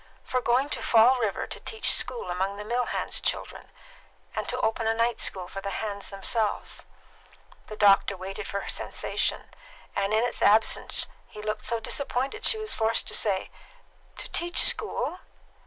"For going to Fall River to teach school among the mill hands' children! And to open a night school for the hands themselves." The doctor waited for her sensation, and in its absence he looked so disappointed that she was forced to say, "To teach school?"